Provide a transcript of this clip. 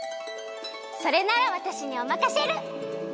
それならわたしにおまかシェル！